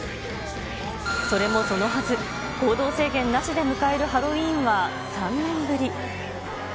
それもそのはず、行動制限なしで迎えるハロウィーンは３年ぶり。